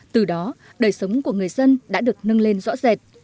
từ đó đời sống của người dân đã được nâng lên rõ rệt